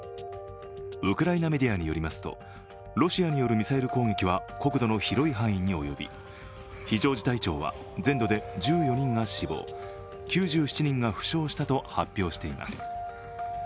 ウクライナメディアによりますとロシアによるミサイル攻撃は国土の広い範囲に及び非常事態庁は全土で１４人が死亡９７人が負傷したと発表しています。